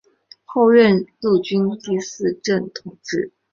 后升任陆军第四镇统制。